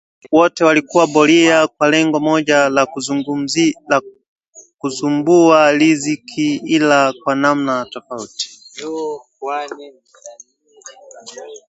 Wote walikuwa Boria kwa lengo moja la kuzumbua riziki ila kwa namna tofauti